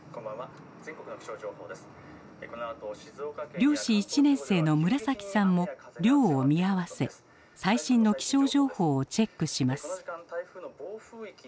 漁師１年生の村崎さんも漁を見合わせ最新の気象情報をチェックします。